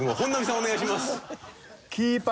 お願いします。